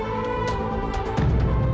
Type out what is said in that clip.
aku mau mencari uang buat bayar tebusan